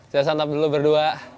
kita santap dulu berdua